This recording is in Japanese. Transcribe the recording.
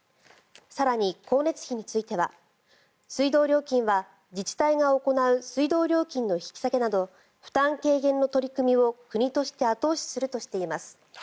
更に光熱費については水道料金は自治体が行う水道料金の引き下げなど負担軽減の取り組みを国として後押しするとしています。